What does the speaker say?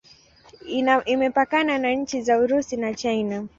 Imepakana na nchi za Urusi na Uchina.